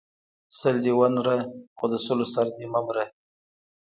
ـ سل دی ونره خو د سلو سر دی مه مره.